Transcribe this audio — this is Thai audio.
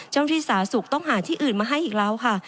เจ้าที่สาธารณักศูกร์ต้องหาที่อื่นมาให้อีกแล้วค่ะ